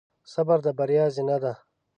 صبر د بریا زینه ده.